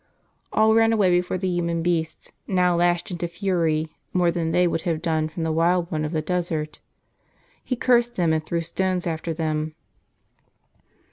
All ran away before the human beast, now lashed into fury, more than they would have done from the wild one of the desert. He cursed them, and threw stones after them.